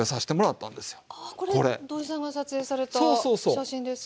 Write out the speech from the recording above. これ土井さんが撮影された写真ですか？